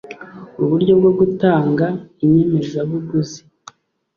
uburyo bwo gutanga inyemezabuguzi